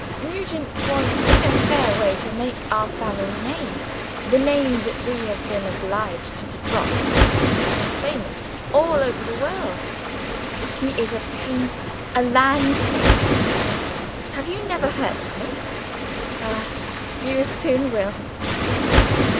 Nugent was in a fair way to make our family name the name that we have been obliged to drop famous all over the world. He is a painter a landscape painter. Have you never heard of him? Ah, you soon will!